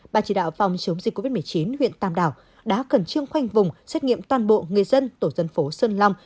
bà chỉ đạo phòng chống dịch covid một mươi chín huyện tàm đảo đã cẩn trương khoanh vùng xét nghiệm toàn bộ người dân tổ dân phố sơn long